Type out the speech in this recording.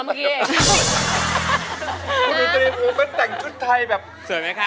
อายุ๒๔ปีวันนี้บุ๋มนะคะ